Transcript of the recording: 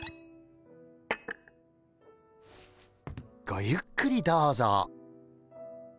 ごゆっくりどうぞ。